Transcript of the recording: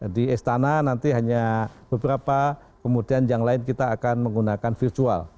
di istana nanti hanya beberapa kemudian yang lain kita akan menggunakan virtual